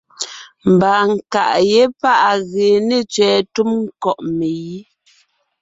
Ḿbaa nkàʼ yé páʼ à gee ne tsẅɛ̀ɛ túm ńkɔ̂ʼ megǐ.